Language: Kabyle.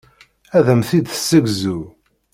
Ad am-t-id-tessegzu.